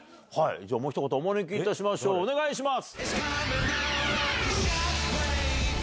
もうひと方お招きいたしましょうお願いします！